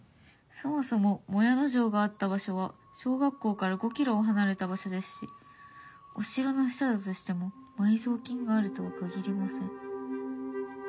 そもそも靄野城があった場所は小学校から５キロ離れた場所ですしお城の下だとしても埋蔵金があるとは限りません」。